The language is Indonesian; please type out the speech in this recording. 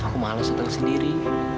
aku males datang sendiri